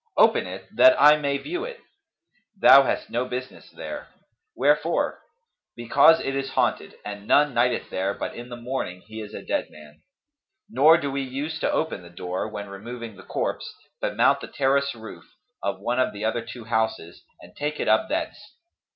'Open it, that I may view it.' 'Thou hast no business there.' 'Wherefore?' 'Because it is haunted, and none nighteth there but in the morning he is a dead man; nor do we use to open the door, when removing the corpse, but mount the terrace roof of one of the other two houses and take it up thence.